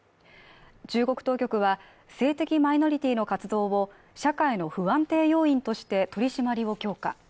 中国当局は、性的マイノリティの活動を社会の不安定要因として取り締まりを強化。